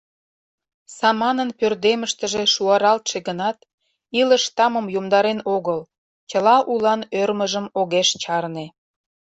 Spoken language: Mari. Саманын пӧрдемыштыже шуаралтше гынат, илыш тамым йомдарен огыл, чыла улан ӧрмыжым огеш чарне.